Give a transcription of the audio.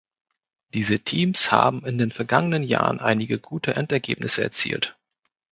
Diese Teams haben in den vergangenen Jahren einige gute Endergebnisse erzielt.